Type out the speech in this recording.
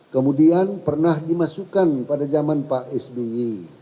kemudian pernah dimasukkan pada zaman pak sby